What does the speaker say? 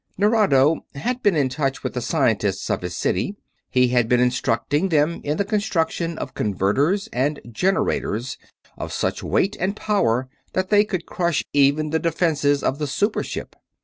Nerado had been in touch with the scientists of his city; he had been instructing them in the construction of converters and generators of such weight and power that they could crush even the defenses of the super ship.